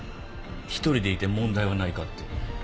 一人でいて問題はないかって。